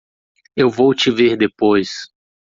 Eu vou te ver depois.